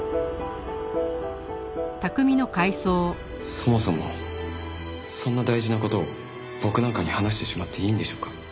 そもそもそんな大事な事を僕なんかに話してしまっていいんでしょうか？